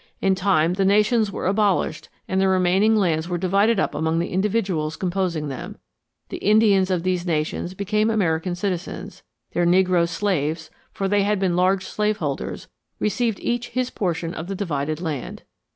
In time, the nations were abolished and their remaining lands were divided up among the individuals composing them; the Indians of these nations became American citizens; their negro slaves, for they had been large slaveholders, received each his portion of the divided land.